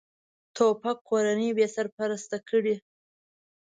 توپک کورنۍ بېسرپرسته کړي.